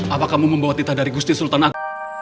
apa kamu membawa kita dari kusti sultan agung